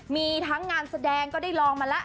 มีทั้งงานแสดงก็ได้ลองมาแล้ว